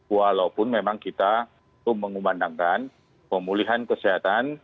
walaupun memang kita mengumandangkan pemulihan kesehatan